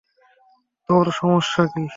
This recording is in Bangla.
তোর সমস্যা কী?